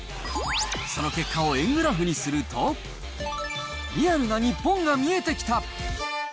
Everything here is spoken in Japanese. その結果を円グラフにすると、リアルな日本が見えてきた。